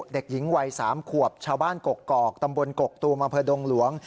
เด็กหญิงวัย๓ขวบชาวบ้านกกอกตำบลกกตูมอำเภอดงหลวง